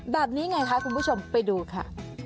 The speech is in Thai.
แบบนี้ไงคะคุณผู้ชมไปดูค่ะ